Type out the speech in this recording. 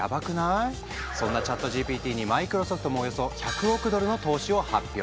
そんなＣｈａｔＧＰＴにＭｉｃｒｏｓｏｆｔもおよそ１００億ドルの投資を発表。